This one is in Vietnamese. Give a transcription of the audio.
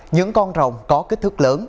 những con rồng có kích thước lớn